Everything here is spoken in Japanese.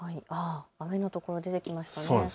雨の所、出てきましたね。